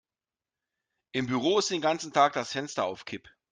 Im Büro ist den ganzen Tag das Fenster auf Kipp.